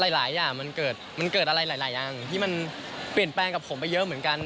หลายอย่างมันเกิดอะไรหลายอย่างที่มันเปลี่ยนแปลงกับผมไปเยอะเหมือนกัน